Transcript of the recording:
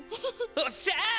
おっしゃー！！